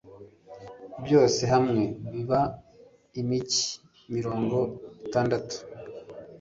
byose hamwe biba imigi mirongo itandatu